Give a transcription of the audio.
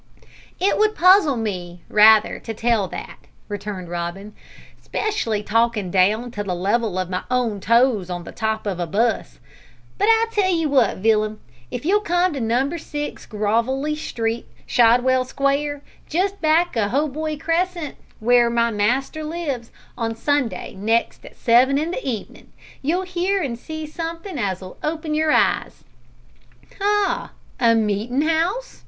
"It would puzzle me, rather, to tell that," returned Robin, "'specially talkin' down to the level of my own toes on the top of a 'bus; but I'll tell you what, Villum, if you'll come to Number 6 Grovelly Street, Shadwell Square, just back of Hoboy Crescent, w'ere my master lives, on Sunday next at seven in the evenin', you'll hear an' see somethin' as'll open your eyes." "Ah! a meetin' 'ouse'?"